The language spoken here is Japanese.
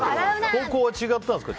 高校は違ったんですか？